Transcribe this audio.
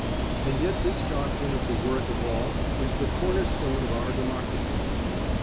And yet this doctrine of the worth of all is the cornerstone of our democracy.